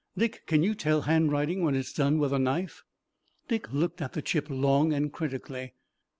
Dick, can you tell handwriting when it's done with a knife?" Dick looked at the chip long and critically.